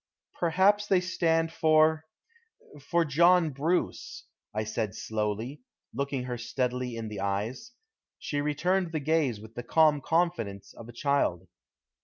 "Perhaps they stand for for John Bruce," I said slowly, looking her steadily in the eyes. She returned the gaze with the calm confidence of a child.